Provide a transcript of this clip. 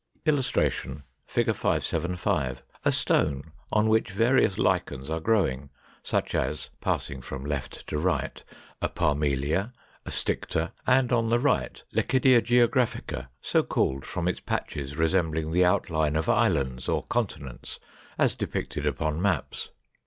[Illustration: Fig. 575. A stone on which various Lichens are growing, such as (passing from left to right) a Parmelia, a Sticta, and on the right, Lecidia geographica, so called from its patches resembling the outline of islands or continents as depicted upon maps.